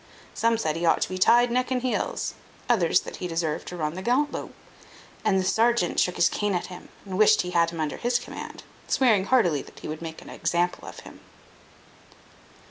Some said, he ought to be tied neck and heels; others that he deserved to run the gantlope; and the serjeant shook his cane at him, and wished he had him under his command, swearing heartily he would make an example of him.